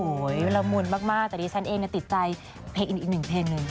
เวลาละมุนมากแต่ดิฉันเองติดใจเพลงอีกหนึ่งเพลงหนึ่ง